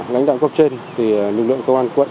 lực lượng công an quận